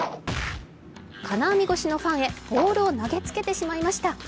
金網越しのファンへボールを投げつけてしまいました。